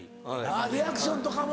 あぁリアクションとかも。